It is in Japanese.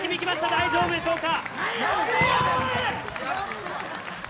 大丈夫でしょうか。